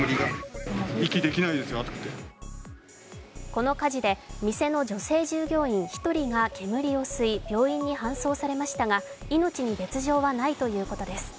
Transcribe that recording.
この火事で店の女性従業員１人が煙を吸い病院に搬送されましたが命に別状はないということです。